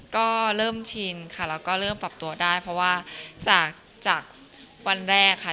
ก็เริ่มชินค่ะแล้วก็เริ่มปรับตัวได้เพราะว่าจากวันแรกค่ะ